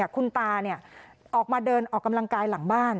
คุณตาออกมาเดินออกกำลังกายหลังบ้าน